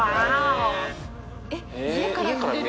えっ家から見れる。